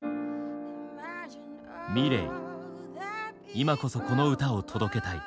今こそこの歌を届けたい。